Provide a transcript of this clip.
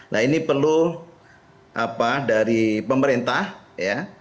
nah ini perlu apa dari pemerintah ya